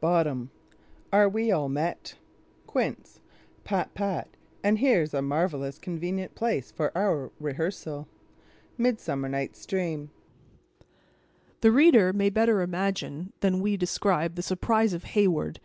"Bot.—Abibl we all met? Qui.—Pat—pat; and here's a marvelous convenient place for our rehearsal." —Midsummer Night's Dream The reader may better imagine, than we describe the surprise of Heyward.